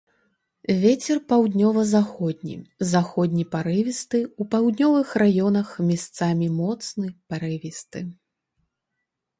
Вецер паўднёва-заходні, заходні парывісты, у паўднёвых раёнах месцамі моцны парывісты.